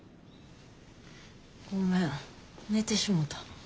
ごめん寝てしもた。